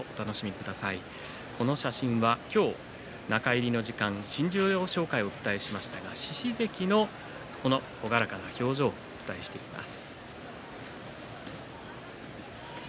この写真は今日、中入りの時間新十両紹介をお伝えしましたが獅司関のほがらかな表情をお伝えしています。